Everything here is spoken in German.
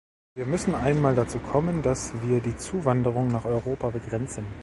Wir müssen einmal dazu kommen, dass wir die Zuwanderung nach Europa begrenzen.